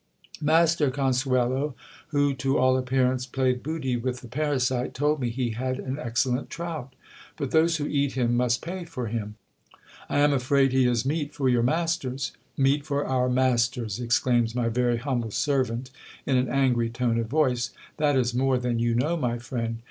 Master Corcuelo, who to all appearance played booty with the parasite, told me he had an excellent trout ; but those who eat him must pay for him. I am afraid he is meat for your masters. Meat for our masters ! exclaims my very humble servant in an angry tone of voice : that is more than you know, my friend.